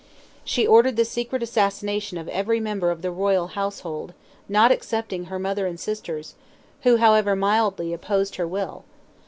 She ordered the secret assassination of every member of the royal household (not excepting her mother and sisters), who, however mildly, opposed her will.